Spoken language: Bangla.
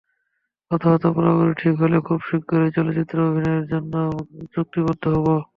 কথাবার্তা পুরোপুরি ঠিক হলে খুব শিগগির চলচ্চিত্রে অভিনয়ের জন্য চুক্তিবদ্ধ হব।